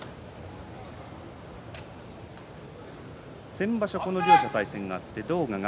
先場所この両者、対戦があって狼雅が